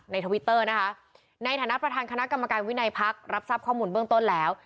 ทวิตเตอร์นะคะในฐานะประธานคณะกรรมการวินัยพักรับทราบข้อมูลเบื้องต้นแล้ว